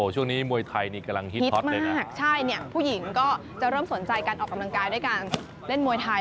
ช่วงนี้มวยไทยนี่กำลังฮิตฮอตมากใช่เนี่ยผู้หญิงก็จะเริ่มสนใจการออกกำลังกายด้วยการเล่นมวยไทย